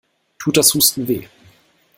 Tut das Husten weh?